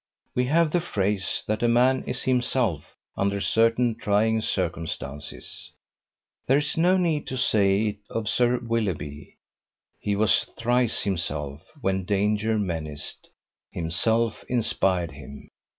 We have the phrase, that a man is himself under certain trying circumstances. There is no need to say it of Sir Willoughby: he was thrice himself when danger menaced, himself inspired him.